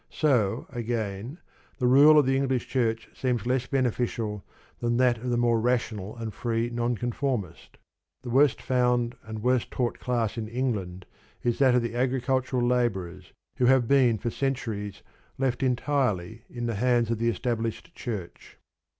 So, again, the rule of the English Church seems less beneficial than that of the more rational and free Nonconformist. The worst found and worst taught class in England is that of the agricultural labourers, who have been for centuries left entirely in the hands of the Established Church.